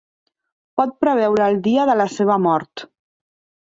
Pot preveure el dia de la seva mort.